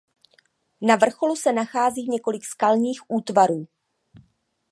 Na vrcholu se nachází několik skalních útvarů.